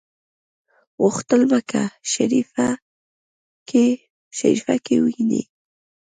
غوښتل په مکه شریفه کې وویني.